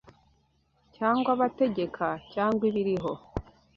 cyangwa abategeka, cyangwa ibiriho